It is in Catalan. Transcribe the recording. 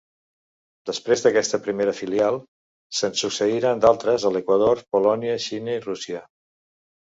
Després d'aquesta primera filial se'n succeiran d'altres a l'Equador, Polònia, Xina i Rússia.